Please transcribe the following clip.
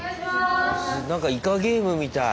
なんかイカゲームみたい。